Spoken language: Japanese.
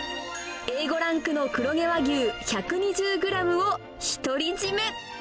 Ａ５ランクの黒毛和牛１２０グラムを独り占め。